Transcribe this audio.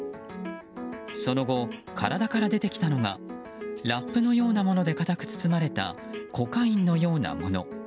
その後、体から出てきたのがラップのようなもので固く包まれたコカインのようなもの。